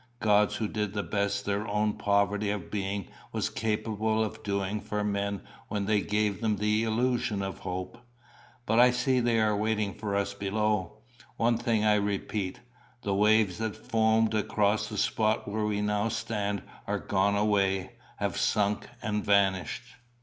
Gods who did the best their own poverty of being was capable of doing for men when they gave them the illusion of hope. But I see they are waiting for us below. One thing I repeat the waves that foamed across the spot where we now stand are gone away, have sunk and vanished."